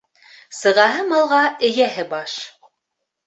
Сығаһы малға эйәһе баш.